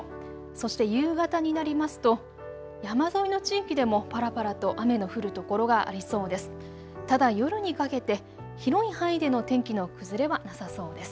そして夕方になりますと山沿いの地域でもぱらぱらと雨の降る所がありそうです。